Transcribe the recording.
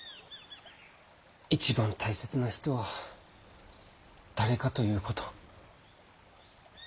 一番大切な人は誰かということ。